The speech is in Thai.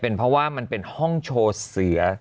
เพราะว่ามันเป็นห้องโชว์เสือ